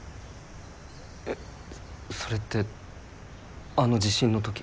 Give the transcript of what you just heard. えそれってあの地震のとき？